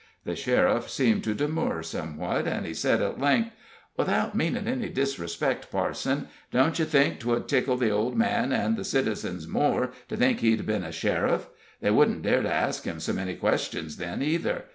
The sheriff seemed to demur somewhat, and he said, at length: "Without meanin' any disrespect, parson, don't you think 'twould tickle the old man and the citizens more to think he'd been a sheriff? They wouldn't dare to ask him so many questions then, either.